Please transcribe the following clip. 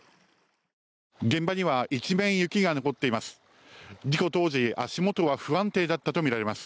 現場には一面、雪が残っています。